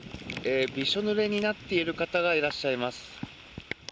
びしょぬれになっている方がいます。